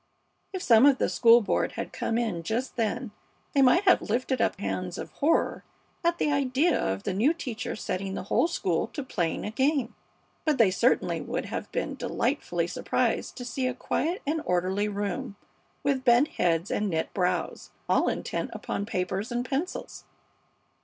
If some of the school board had come in just then they might have lifted up hands of horror at the idea of the new teacher setting the whole school to playing a game. But they certainly would have been delightfully surprised to see a quiet and orderly room with bent heads and knit brows, all intent upon papers and pencils.